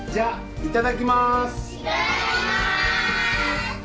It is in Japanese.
いただきます